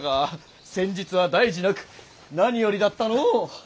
先日は大事なく何よりだったのう。